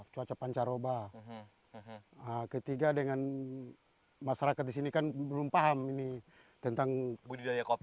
cuaca pancaroba ketiga dengan masyarakat di sini kan belum paham ini tentang budidaya kopi